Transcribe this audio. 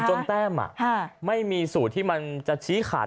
แต้มไม่มีสูตรที่มันจะชี้ขาด